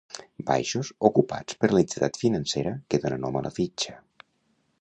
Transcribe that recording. Baixos ocupats per l'entitat financera que dóna nom a la fitxa.